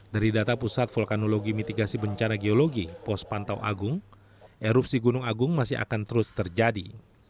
dari data pusat vulkanologi mitigasi bencana geologi pos pantau agung erupsi gunung agung masih akan terus terjadi